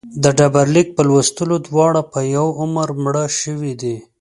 د ډبرلیک په لوستلو دواړه په یوه عمر مړه شوي دي.